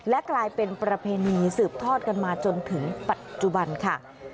และกลายเป็นประเพณีสืบทอดกันมาจนถึงปัจจุบันค่ะ